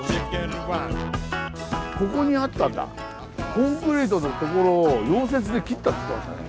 コンクリートの所を溶接で切ったっつってましたね。